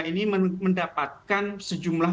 ini mendapatkan sejumlah